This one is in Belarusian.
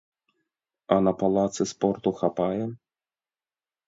А на палацы спорту хапае?